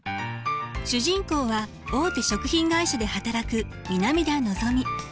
主人公は大手食品会社で働く南田のぞみ。